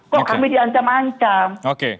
kok kami di ancam ancam